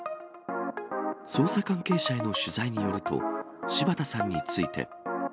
捜査関係者への取材によると、柴田さんについて。